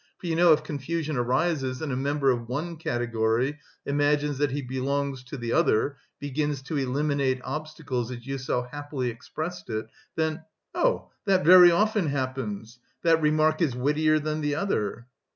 For you know if confusion arises and a member of one category imagines that he belongs to the other, begins to 'eliminate obstacles' as you so happily expressed it, then..." "Oh, that very often happens! That remark is wittier than the other."